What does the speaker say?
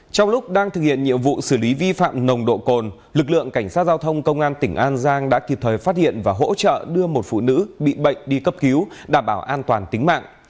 trong lúc đang thực hiện nhiệm vụ xử lý vi phạm nồng độ cồn lực lượng cảnh sát giao thông công an tỉnh an giang đã kịp thời phát hiện và hỗ trợ đưa một phụ nữ bị bệnh đi cấp cứu đảm bảo an toàn tính mạng